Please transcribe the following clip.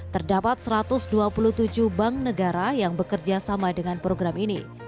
terdapat satu ratus dua puluh tujuh bank negara yang bekerja sama dengan program ini